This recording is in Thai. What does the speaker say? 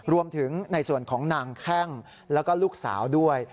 รวมถึงในส่วนของนางแข้งแล้วก็ลูกสาวด้วย